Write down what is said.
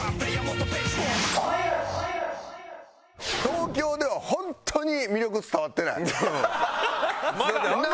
東京では本当に魅力伝わってない。